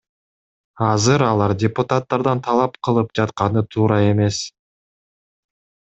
Азыр алар депутаттардан талап кылып жатканы туура эмес.